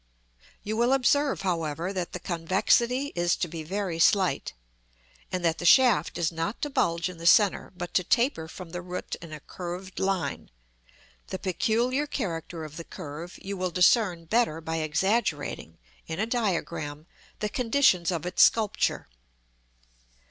You will observe, however, that the convexity is to be very slight, and that the shaft is not to bulge in the centre, but to taper from the root in a curved line; the peculiar character of the curve you will discern better by exaggerating, in a diagram, the conditions of its sculpture.